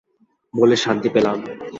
বলে শান্তি পেলাম।